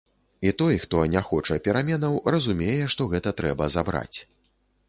І той, хто не хоча пераменаў, разумее, што гэта трэба забраць.